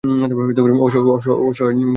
অসহায়, নির্দোষ ল্যাপ্রেকন।